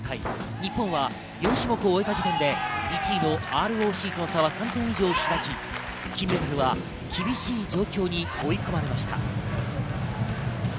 日本は４種目を終えた時点で１位のＲＯＣとの差は３点以上開き、金メダルは厳しい状況に追い込まれました。